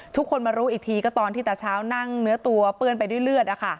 ทุกคนมารู้อีกทีก็ตอนที่ตาเช้านั่งเนื้อตัวเปื้อนไปด้วยเลือด